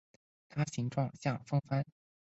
它形状像风帆。